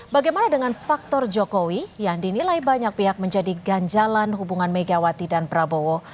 bagaimana dengan faktor jokowi yang dinilai banyak pihak menjadi ganjalan hubungan megawati dan prabowo